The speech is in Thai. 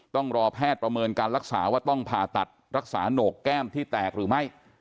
ต้องรอแพทย์ประเมินการรักษาว่าต้องผ่าตัดรักษาโหนกแก้มที่แตกหรือไม่